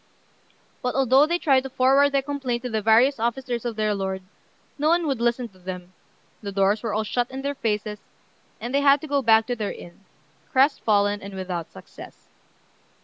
But although they tried to forward their complaint to the various officers of their lord, no one would listen to them; the doors were all shut in their faces, and they had to go back to their inn, crestfallen and without success.